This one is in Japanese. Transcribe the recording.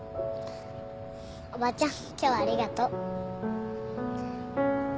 おばちゃん今日はありがとう。